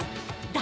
誰？